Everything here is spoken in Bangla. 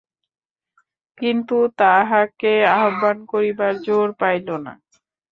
কিন্তু তাহাকে আহ্বান করিবার জোর পাইল না।